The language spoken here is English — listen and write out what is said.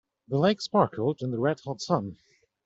The lake sparkled in the red hot sun.